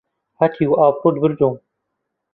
هەتیو ئابڕووت بردووم!